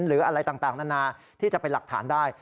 หรืออะไรต่างนานาที่จะเป็นหลักฐานได้